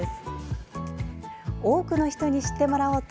多くの人に知ってもらおうと